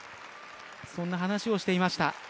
そんな話をしていました。